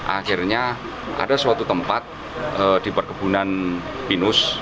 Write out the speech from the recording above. akhirnya ada suatu tempat di perkebunan pinus